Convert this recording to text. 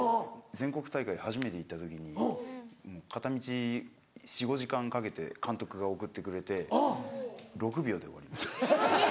全国大会初めて行った時に片道４５時間かけて監督が送ってくれて６秒で終わりました。